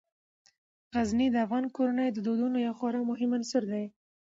غزني د افغان کورنیو د دودونو یو خورا مهم عنصر دی.